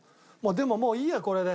でももういいやこれで。